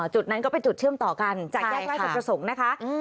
จุดนั้นก็เป็นจุดเชื่อมต่อกันจากแยกราชประสงค์นะคะ